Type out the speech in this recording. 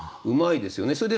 うまいですよね。